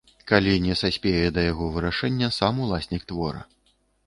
Калі не саспее да яго вырашэння сам уласнік твора.